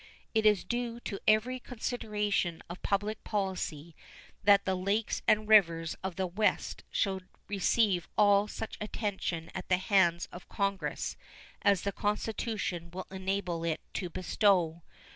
It is due to every consideration of public policy that the lakes and rivers of the West should receive all such attention at the hands of Congress as the Constitution will enable it to bestow.